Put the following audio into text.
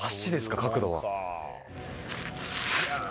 角度は。